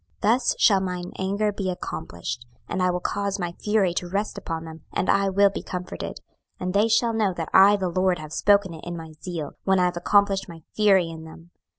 26:005:013 Thus shall mine anger be accomplished, and I will cause my fury to rest upon them, and I will be comforted: and they shall know that I the LORD have spoken it in my zeal, when I have accomplished my fury in them.